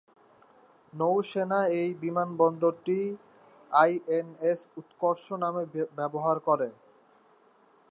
নৌসেনা এই বিমানবন্দরটি আইএনএস উৎকর্ষ নামে ব্যবহার করে।